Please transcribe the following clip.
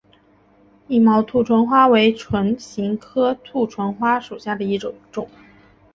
硬毛兔唇花为唇形科兔唇花属下的一个种。